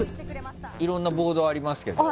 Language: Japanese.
いろんなボードがありますけど。